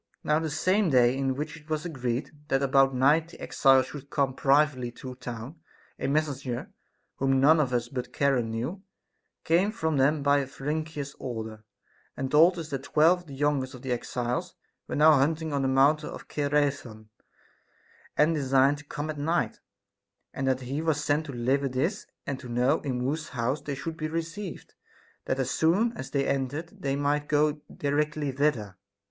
Now the same day in which it was agreed that about night the exiles should come privately to town, a messenger, whom none of us all but Charon knew, came from them by Pherenicus's order, and told us that twelve of the youngest of the exiles were now hunting on the mountain Cithaeron, and designed to come at night, and that he was sent to deliver this and to know in whose house they should be received, that as soon as they entered they might go di rectly thither.